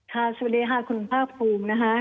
ค่ะสวัสดีค่ะคุณพ่าพรุ่งนะฮะ